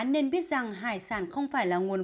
nên biết rằng hải sản không phải là nguồn